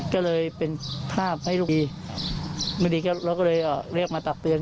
ก็เลยเป็นภาพให้ลูกดีไม่ดีครับเราก็เลยเรียกมาตักเตือน